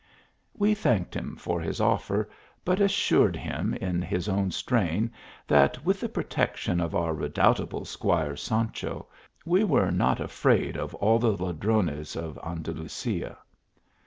We thanked him for his offer, but assured him, in his own strain, that with the protection of our re doubtable Squire Sancho, we were not afraid of all the ladrones of Andalusia.